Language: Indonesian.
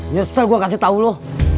nyesel gue kasih tau lo